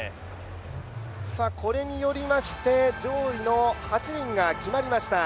これによりまして、上位の８人が決まりました。